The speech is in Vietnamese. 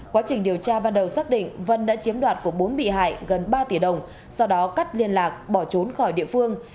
quá trình điều tra ban đầu xác định vân đã chiếm đoạt của bốn bị hại gần ba tỷ đồng sau đó cắt liên lạc bỏ trốn khỏi địa phương